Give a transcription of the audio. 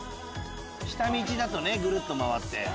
下道だとぐるっと回って。